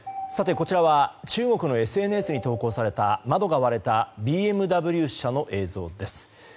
こちらは中国のＳＮＳに投稿された窓が割れたＢＭＷ車の映像です。